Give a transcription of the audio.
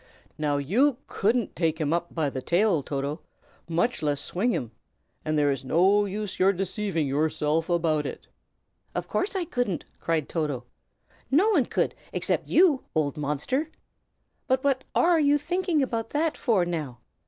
Now, you couldn't take him up by the tail, Toto, much less swing him, and there is no use in your deceiving yourself about it." "Of course I couldn't!" cried Toto. "No one could, except you, old monster. But what are you thinking about that for, now?